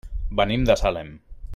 Venim de Salem.